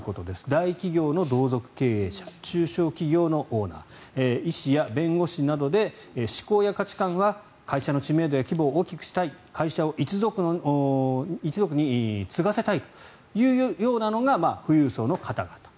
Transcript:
大企業の同族経営者中小企業のオーナー医師や弁護士などで志向や価値観は会社の知名度や規模を大きくしたい会社を一族に継がせたいというようなのが富裕層の方々。